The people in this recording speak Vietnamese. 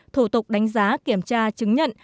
thủ tục đánh giá kiểm tra chứng nhận